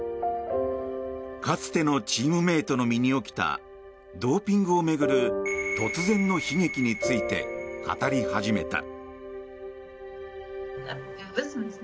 かつてのチームメートの身に起きたドーピングを巡る突然の悲劇について語り始めた。